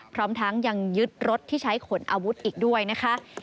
พร้อมทั้งยังยึดรถที่ใช้ขนอาวุธอีกด้วยนะคะ